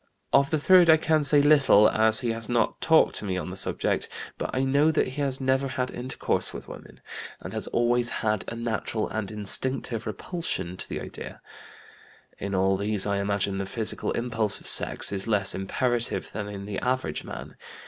Of the third I can say little, as he has not talked to me on the subject; but I know that he has never had intercourse with women, and has always had a natural and instinctive repulsion to the idea. In all these, I imagine, the physical impulse of sex is less imperative than in the average man.